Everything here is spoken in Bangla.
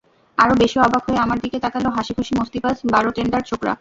আরও বেশি অবাক হয়ে আমার দিকে তাকাল হাসিখুশি মস্তিবাজ বার টেন্ডার ছোকরা।